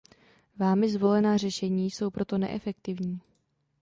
Vámi zvolená řešení jsou proto neefektivní.